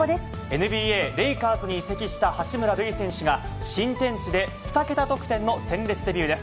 ＮＢＡ・レイカーズに移籍した八村塁選手が、新天地で２桁得点の鮮烈デビューです。